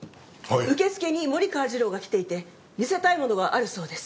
受付に森川次郎が来ていて見せたいものがあるそうです。